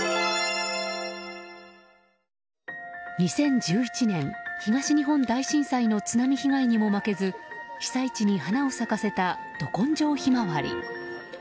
２０１１年、東日本大震災の津波被害にも負けず被災地に花を咲かせたど根性ひまわり。